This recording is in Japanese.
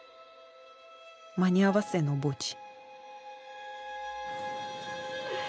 間に合わせの墓地。